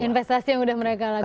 investasi yang sudah mereka lakukan